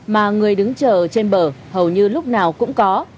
mà người đứng chờ trên bờ hầu như lúc nào